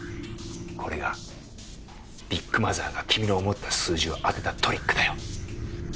これがビッグマザーが君の思った数字を当てたトリックだよ。